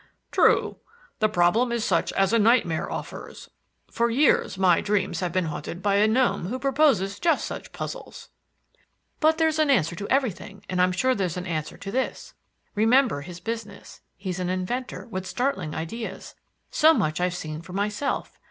"True. The problem is such as a nightmare offers. For years my dreams have been haunted by a gnome who proposes just such puzzles." "But there's an answer to everything, and I'm sure there's an answer to this. Remember his business. He's an inventor, with startling ideas. So much I've seen for myself.